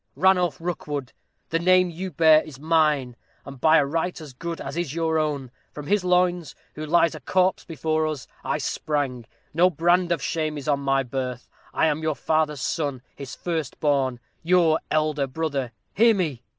Ranulph Rookwood, the name you bear is mine, and by a right as good as is your own. From his loins, who lies a corpse before us, I sprang. No brand of shame is on my birth. I am your father's son his first born your elder brother. Hear me!"